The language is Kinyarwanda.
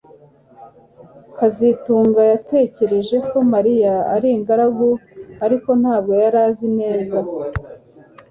kazitunga yatekereje ko Mariya ari ingaragu ariko ntabwo yari azi neza